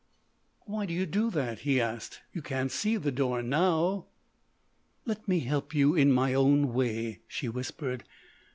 "Why do you do that?" he asked, "you can't see the door, now." "Let me help you in my own way," she whispered.